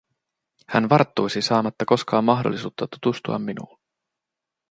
Hän varttuisi saamatta koskaan mahdollisuutta tutustua minuun.